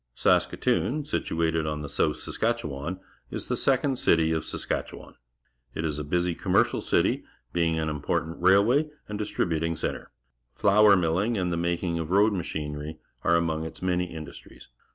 Saska toon, situated on the South Saskatch ewan, is the second city of Saskatchewan. It is a busy comm ercial city, being an important railway and distrilimfing centre. Flour milling an d the malcing ofj oad macliin ery are among its many industries.